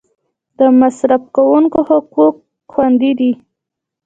د مصرف کونکو حقوق خوندي دي؟